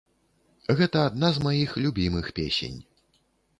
Гэта адна з маіх любімых песень.